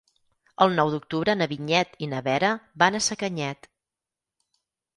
El nou d'octubre na Vinyet i na Vera van a Sacanyet.